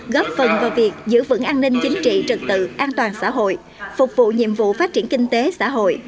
góp phần vào việc giữ vững an ninh chính trị trật tự an toàn xã hội phục vụ nhiệm vụ phát triển kinh tế xã hội